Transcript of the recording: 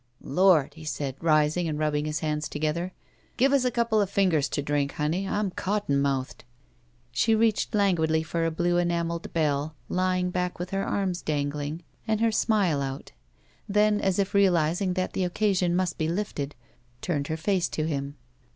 "Lord!" he said, rising and rubbing his hands together. "Give us a couple of fingers to drink, honey; I'm cotton mouthed." She reached languidly for a blue enameled bell, lying back^ with her arms dangling and her smile 95 I BACK PAY out. Then, as if realizing that the occasion must be lifted, turned her face to him.